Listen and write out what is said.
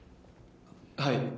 はい。